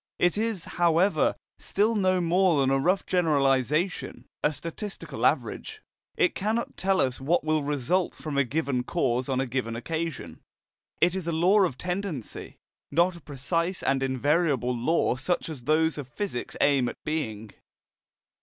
It is, however, still no more than a rough generalization, a statistical average. It cannot tell us what will result from a given cause on a given occasion. It is a law of tendency, not a precise and invariable law such as those of physics aim at being.